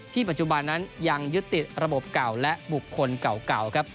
ปัจจุบันนั้นยังยึดติดระบบเก่าและบุคคลเก่าครับ